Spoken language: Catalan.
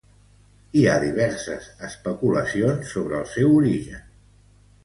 Hi ha diverses especulacions sobre el seu origen.